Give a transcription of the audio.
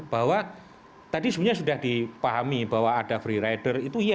bahwa tadi sebenarnya sudah dipahami bahwa ada free rider itu iya